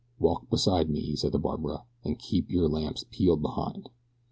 "Walk beside me," he said to Barbara Harding, "an' keep yer lamps peeled behind."